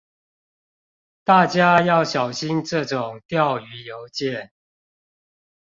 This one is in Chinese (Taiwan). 大家要小心這種釣魚郵件